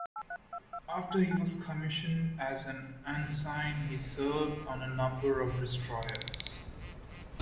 After he was commissioned as an ensign, he served on a number of destroyers.